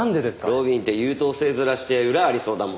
路敏って優等生面して裏ありそうだもんな。